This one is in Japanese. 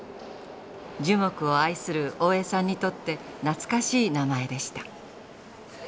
樹木を愛する大江さんにとって懐かしい名前でした。